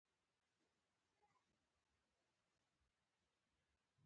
د پیتالوژي علم د درملو اغېز څاري.